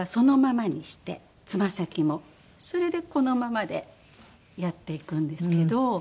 それでこのままでやっていくんですけど。